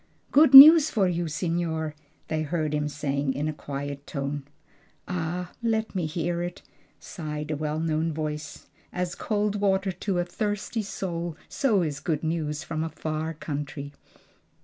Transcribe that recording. "Good news for you, signor!" they heard him say in a quiet tone. "Ah! let me hear it," sighed a well known voice. "'As cold water to a thirsty soul, so is good news from a far country.'"